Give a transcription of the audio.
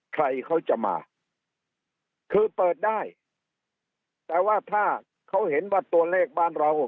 ใครเขาจะมาคือเปิดได้แต่ว่าถ้าเขาเห็นว่าตัวเลขบ้านเรา